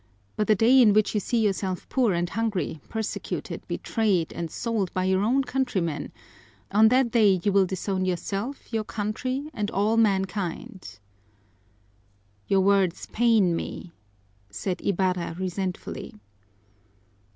But the day in which you see yourself poor and hungry, persecuted, betrayed, and sold by your own countrymen, on that day you will disown yourself, your country, and all mankind." "Your words pain me," said Ibarra resentfully.